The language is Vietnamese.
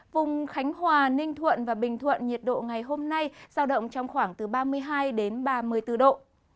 vùng khánh hòa ninh thuận và bình thuận nhiệt độ ngày hôm nay giao động trong khoảng từ ba mươi hai đến ba mươi bốn độ